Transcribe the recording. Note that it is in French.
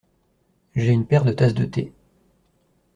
J’ai une paire de tasses de thé.